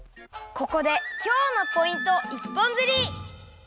ここで「今日のポイント一本釣り！」。